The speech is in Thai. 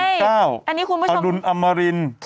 แต่พระรามมีหลายเส้นไงแม่